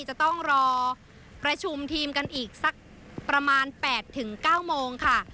จะต้องรอประชุมทีมกันอีกสักประมาณ๘๙โมงค่ะ